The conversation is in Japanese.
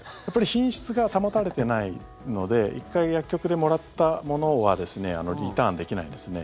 品質が保たれてないので１回、薬局でもらったものはリターンできないですね。